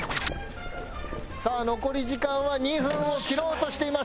さあ残り時間は２分を切ろうとしています。